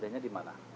beda nya di mana